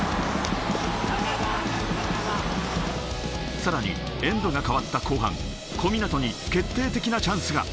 さらにエンドが変わった後半、小湊に決定的なチャンスが。